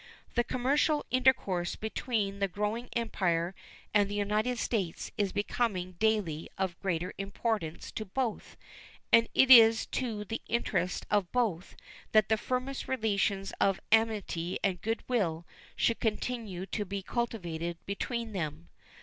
The commercial intercourse between that growing Empire and the United States is becoming daily of greater importance to both, and it is to the interest of both that the firmest relations of amity and good will should continue to be cultivated between them.